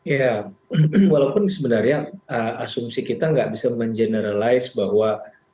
ya walaupun sebenarnya asumsi kita nggak bisa mengeneralize bahwa